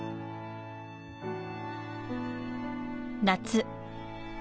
夏。